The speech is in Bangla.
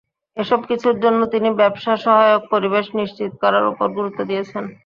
এসব কিছুর জন্য তিনি ব্যবসা-সহায়ক পরিবেশ নিশ্চিত করার ওপর গুরুত্ব দিয়েছেন।